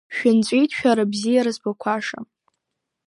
Шәынҵәеит шәара бзиара збақәаша!